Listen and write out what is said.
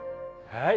はい。